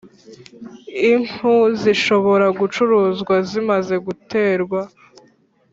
Impu zishobora gucuruzwa zimaze guterwa